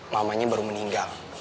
mamanya baru meninggal